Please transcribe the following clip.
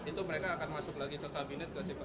itu mereka akan masuk lagi ke kabinet gak sih pak